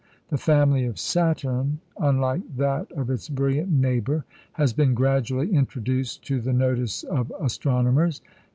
The family of Saturn, unlike that of its brilliant neighbour, has been gradually introduced to the notice of astronomers.